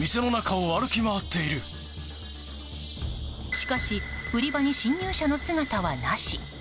しかし売り場に侵入者の姿はなし。